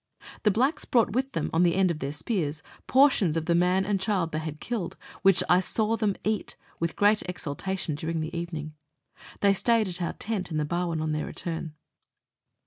The blacks brought with them, on the end of their spears, portions of the man and child they had killed, which I saw them eat with great exultation during the evening. They stayed at our tent at the Barwon on their return.